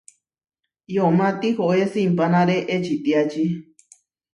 Yomá tihoé simpanáre ečitiáči.